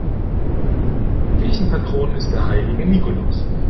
Kirchenpatron ist der Heilige Nikolaus.